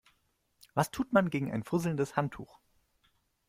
Was tut man gegen ein fusselndes Handtuch?